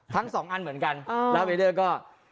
ทั้ง๒อันเหมือนกันแล้วเวลเดิ้อก็